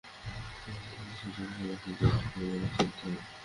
এটি যেন সেই রেখা বা ব্যাসার্ধ, যেটি ধরে মানুষকে চলতে হবে।